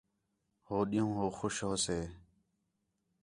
ہو ݙِین٘ہوں ہو خوش ہوسے